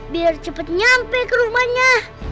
biar cepat nyampe ke rumahnya